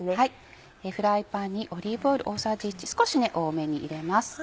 フライパンにオリーブオイル大さじ１少し多めに入れます。